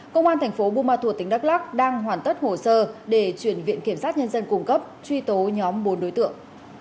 công an thành phố bumathua tỉnh đắk lắc đang hoàn tất hồ sơ để chuyển viện kiểm soát nhân dân cung cấp truy tố nhóm bốn đối tượng